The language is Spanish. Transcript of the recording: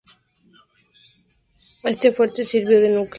Este fuerte sirvió de núcleo a la actual población.